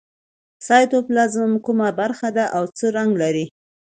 سایتوپلازم کومه برخه ده او څه رنګ لري